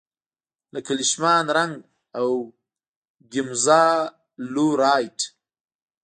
لکه لیشمان رنګ او ګیمزا لو رایټ.